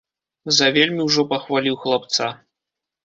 Завельмі ўжо пахваліў хлапца.